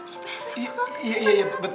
supaya refah gak kena